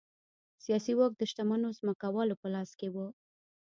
سیاسي واک د شتمنو ځمکوالو په لاس کې و.